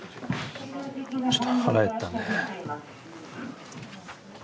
ちょっと腹減ったんでね。